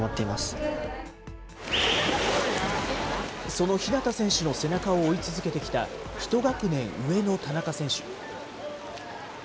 その日向選手の背中を追い続けてきた１学年上の田中選手。